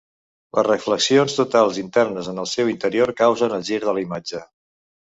Les reflexions totals internes en el seu interior causen el gir de la imatge.